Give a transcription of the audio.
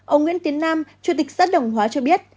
ông nguyễn tiến nam chủ tịch xã đồng hóa cho biết